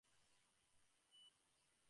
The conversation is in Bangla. হয়তো এবার খুব সুখেই থাকব।